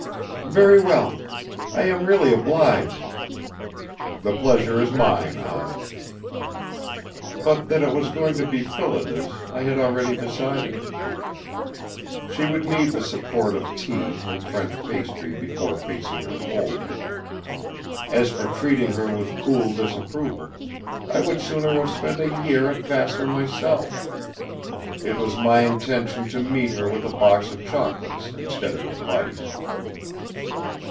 "Very well. I am really obliged!" "The pleasure is mine, Aunt." But that it was going to be Phillida's, I had already decided. She would need the support of tea and French pastry before facing her home. As for treating her with cool disapproval, I would sooner have spent a year at Vassar myself. It was my intention to meet her with a box of chocolates instead of advice.